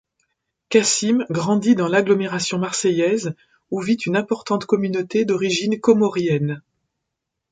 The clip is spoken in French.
Kassim grandit dans l'agglomération marseillaise où vit une importante communauté d'origine comorienne.